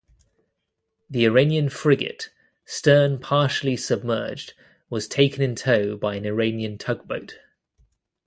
The Iranian frigate, stern partially submerged, was taken in tow by an Iranian tugboat.